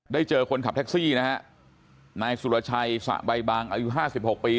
ได้เจอคนขับแท็กซี่นะฮะนายสุรชัยสระใบบังอายุ๕๖ปี